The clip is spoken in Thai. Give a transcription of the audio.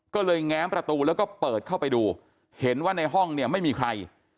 ก็เลยแง้มประตูแล้วก็เปิดเข้าไปดูเห็นว่าในห้องเนี่ยไม่มีใคร